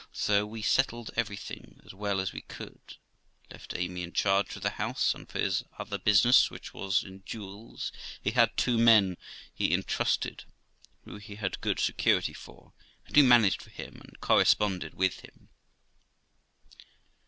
So we settled everything as well as we could, left Amy in charge with the house, and for his other business, which was in jewels, he had two men he intrusted, who he had good security for, and who managed for him, and corresponded with him.